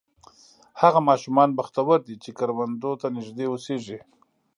هغه ماشومان بختور دي چې کروندو ته نږدې اوسېږي.